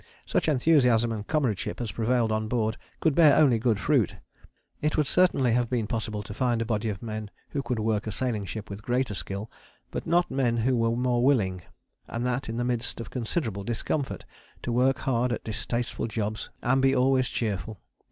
Such enthusiasm and comradeship as prevailed on board could bear only good fruit. It would certainly have been possible to find a body of men who could work a sailing ship with greater skill, but not men who were more willing, and that in the midst of considerable discomfort, to work hard at distasteful jobs and be always cheerful.